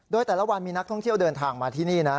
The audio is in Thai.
โดยแต่ละวันมีนักท่องเที่ยวเดินทางมาที่นี่นะ